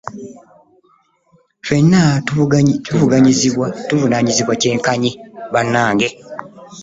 Ffenna tuvunaanyizibwa kyenkanyi bannange.